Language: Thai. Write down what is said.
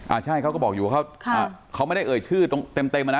ใช่เขาก็บอกอยู่ว่าเขาไม่ได้เอ่ยชื่อตรงเต็มเต็มอ่ะนะ